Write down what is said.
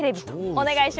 お願いします。